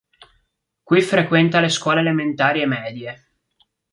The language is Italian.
Qui frequenta le scuole elementari e medie.